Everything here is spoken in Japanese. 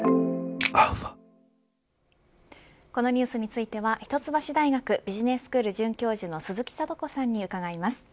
このニュースについては一橋大学ビジネススクール准教授の鈴木智子さんに伺います。